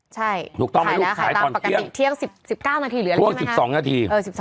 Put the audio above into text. ใช่ถูกต้องให้ลูกขายตอนเที่ยงเที่ยง๑๙นาทีเหรอพวง๑๒นาที